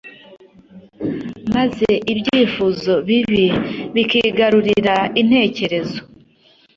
maze ibyifuzo bibi bikigarurira intekerezo